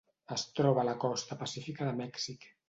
Es troba a la costa pacífica de Mèxic.